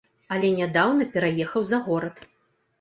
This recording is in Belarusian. Але нядаўна пераехаў за горад.